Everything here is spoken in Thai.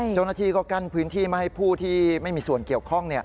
เจ้าหน้าที่ก็กั้นพื้นที่ไม่ให้ผู้ที่ไม่มีส่วนเกี่ยวข้อง